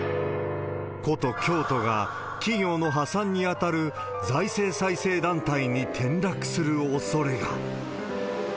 古都、京都が企業の破産に当たる財政再生団体に転落するおそれが。